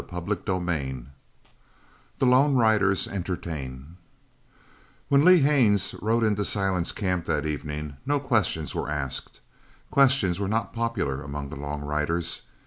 CHAPTER XIII THE LONE RIDERS ENTERTAIN When Lee Haines rode into Silent's camp that evening no questions were asked. Questions were not popular among the long riders.